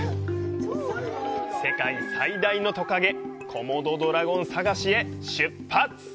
世界最大のトカゲ、コモドドラゴン探しへ出発！